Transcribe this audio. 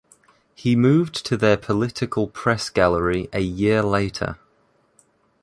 He moved to their political press gallery a year later.